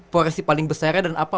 porsi paling besarnya dan apa